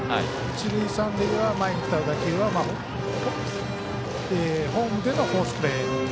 一塁三塁は前に来た打球はホームでのフォースプレー。